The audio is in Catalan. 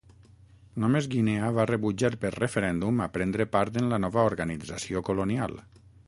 Només Guinea va rebutjar per referèndum a prendre part en la nova organització colonial.